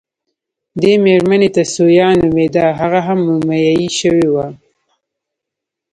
دې مېرمنې ته ثویا نومېده، هغه هم مومیايي شوې وه.